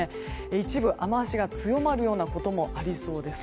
一部、雨脚が強まるようなこともありそうです。